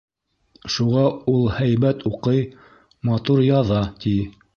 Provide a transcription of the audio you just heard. Шуға ул һәйбәт уҡый, матур яҙа, ти.